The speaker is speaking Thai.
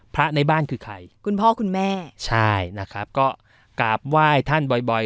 ในบ้านคือใครคุณพ่อคุณแม่ใช่นะครับก็กราบไหว้ท่านบ่อยบ่อย